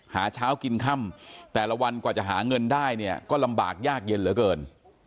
หาเช้ากินค่ำแต่ละวันกว่าจะหาเงินได้เนี่ยก็ลำบากยากเย็นเหลือเกิน